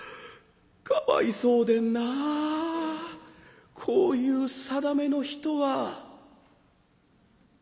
かわいそうでんなあこういう定めの人は」。